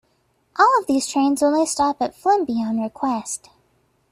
All of these trains only stop at Flimby on request.